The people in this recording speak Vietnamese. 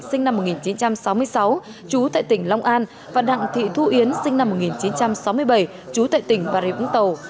sinh năm một nghìn chín trăm sáu mươi sáu trú tại tỉnh long an và đặng thị thu yến sinh năm một nghìn chín trăm sáu mươi bảy trú tại tỉnh bà rịa vũng tàu